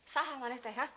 saha manetai hah